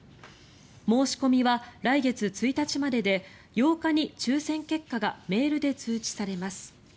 申し込みは来月１日までで８日に抽選結果がメールで通知されます。